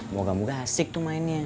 moga moga asik tuh mainnya